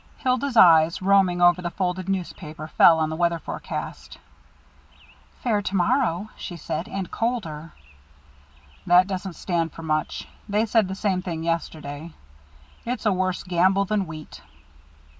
Hilda's eye, roaming over the folded newspaper, fell on the weather forecast. "Fair to morrow," she said, "and colder." "That doesn't stand for much. They said the same thing yesterday. It's a worse gamble than wheat."